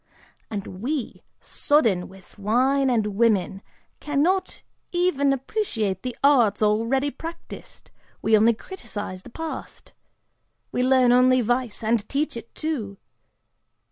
And we, sodden with wine and women, cannot even appreciate the arts already practiced, we only criticise the past! We learn only vice, and teach it, too.